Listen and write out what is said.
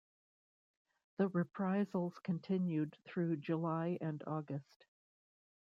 The reprisals continued through July and August.